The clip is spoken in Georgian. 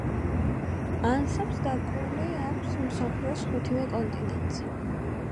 ანსამბლს დაკრული აქვს მსოფლიოს ხუთივე კონტინენტზე.